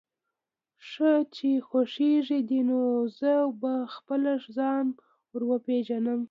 ښه چې خوښېږي دې، نو زه به خپله ځان در وپېژنم.